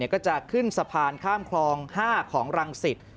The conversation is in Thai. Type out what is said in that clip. ก็จะขึ้นสะพานข้ามคลอง๕ของรังสิต